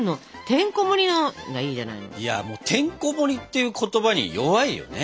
「てんこもり」っていう言葉に弱いよね。